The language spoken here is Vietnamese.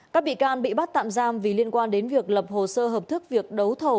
các bị can bị bắt tạm giam vì liên quan đến việc lập hồ sơ hợp thức việc đấu thầu